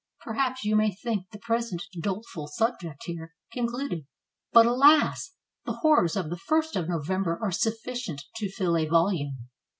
... Per 625 PORTUGAL haps you may think the present doleful subject here con cluded; but alas! the horrors of the ist of November are sufficient to fill a volume.